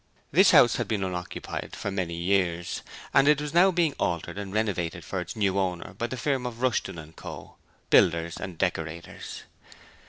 This house had been unoccupied for many years and it was now being altered and renovated for its new owner by the firm of Rushton & Co., Builders and Decorators.